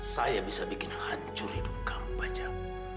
saya bisa bikin hancur hidup kamu baca